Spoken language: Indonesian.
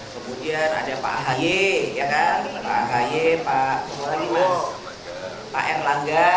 kemudian ada pak ahy pak erlangga